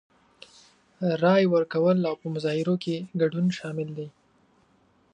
رای ورکول او په مظاهرو کې ګډون شامل دي.